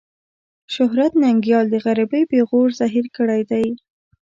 شهرت ننګيال د غريبۍ پېغور زهير کړی دی.